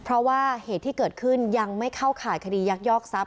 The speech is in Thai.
เพราะว่าเหตุที่เกิดขึ้นยังไม่เข้าข่ายคดียักยอกทรัพย